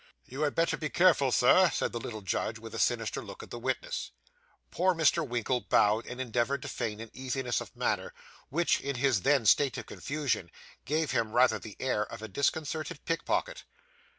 'You had better be careful, Sir,' said the little judge, with a sinister look at the witness. Poor Mr. Winkle bowed, and endeavoured to feign an easiness of manner, which, in his then state of confusion, gave him rather the air of a disconcerted pickpocket.